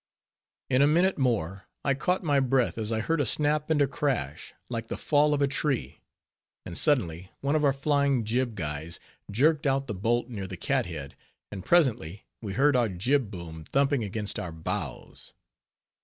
In a minute more, I caught my breath, as I heard a snap and a crash, like the fall of a tree, and suddenly, one of our flying jib guys jerked out the bolt near the cat head; and presently, we heard our jib boom thumping against our bows.